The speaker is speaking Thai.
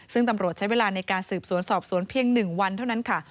ซึ่งตำรวจใช้เวลาในการสืบสวนสอบสวนเพียง๑วันเท่านั้นค่ะ